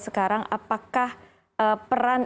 sekarang apakah peran